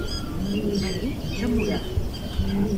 Venim de Mura.